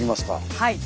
はい。